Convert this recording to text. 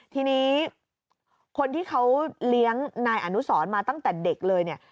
ทีนี้คนที่เขาเลี้ยงนายอนุสรมาตั้งแต่เด็กเลยเนี่ย